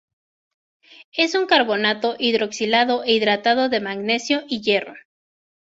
Es un carbonato hidroxilado e hidratado de magnesio y hierro.